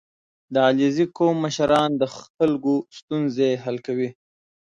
• د علیزي قوم مشران د خلکو ستونزې حل کوي.